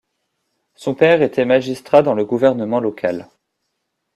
Son père était magistrat dans le gouvernement local.